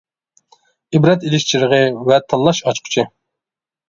ئىبرەت ئېلىش چىرىغى ۋە تاللاش ئاچقۇچى.